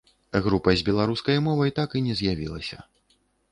Група з беларускай мовай так і не з'явілася.